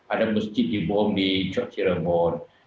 ada masjid dibom di cokcirenggol